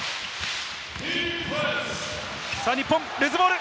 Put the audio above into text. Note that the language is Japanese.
日本、ルーズボール！